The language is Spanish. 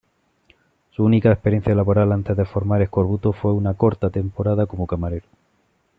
Su única experiencia laboral antes de formar Eskorbuto fue una corta temporada como camarero.